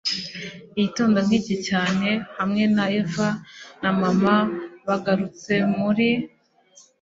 igitondo nkiki - cyane hamwe na eva na mama bagarutse muri